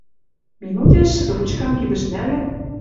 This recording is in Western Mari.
Минутеш ручкам кидӹш нӓлӓт, —